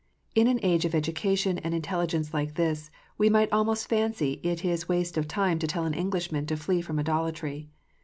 In an age of education and intelligence like this, we might almost fancy it is waste of time to tell an Englishman to " flee from idolatry."